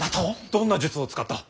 どんな術を使った。